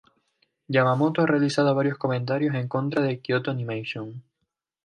Yamamoto ha realizado varios comentarios en contra de Kyoto Animation.